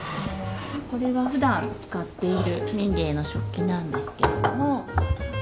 これはふだん使っている民藝の食器なんですけれども。